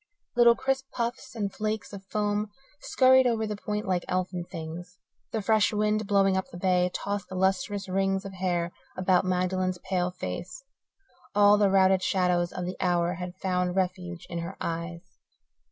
Little crisp puffs and flakes of foam scurried over the point like elfin things. The fresh wind, blowing up the bay, tossed the lustrous rings of hair about Magdalen's pale face; all the routed shadows of the hour had found refuge in her eyes.